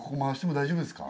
大丈夫です。